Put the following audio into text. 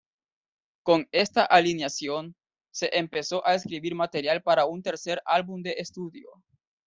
Con esta alineación, se empezó a escribir material para un tercer álbum de estudio.